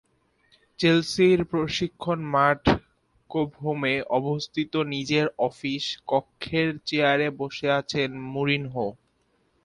চেলসির প্রশিক্ষণ মাঠ কোবহামে অবস্থিত নিজের অফিস কক্ষের চেয়ারে বসে আছেন মরিনহো।